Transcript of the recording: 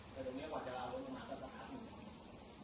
แต่ตรงนี้กว่าจะเอาลุกลงมาก็สามารถอยู่อย่างนี้